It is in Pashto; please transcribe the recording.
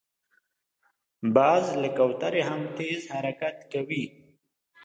باز له کوترې هم تېز حرکت کوي